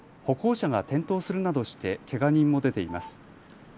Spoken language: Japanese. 歩行者が転倒するなどしてけが人も出ています。